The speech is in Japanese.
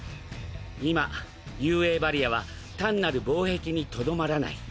今雄英バリアは単なる防壁に留まらない。